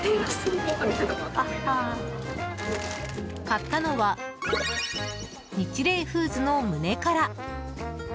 買ったのはニチレイフーズの、むねから。